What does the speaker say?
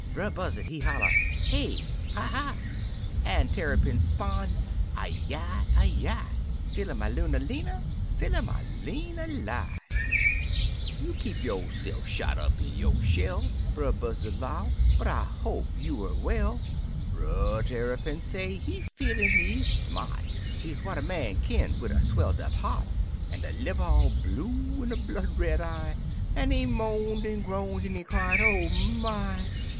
Brer Buzzard he holler, " Hey! hi hi! " An' Tarrypin 'spon', "Ah yil ah yi!" Fil a ma looner leener! fil a ma leener li I "You keep yo'se'f shot up in yo' shell," Brer Buzzard low, "but I hope you er well?" Brer Tarrypin say he feelin' ez smart Ez what a man kin wid a swelled up heart. An' a iiver all blue, an' a blood red eye; An' he moaned an' groaned, an' he cried, "Oh, my!"